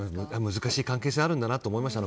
難しい関係性があるんだなと思いました。